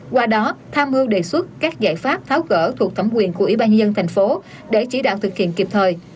qua đó tham mưu đề xuất các giải pháp tháo gỡ thuộc thẩm quyền của ủy ban nhân dân thành phố để chỉ đạo thực hiện kịp thời